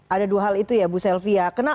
ada dua hal itu ya bu selvia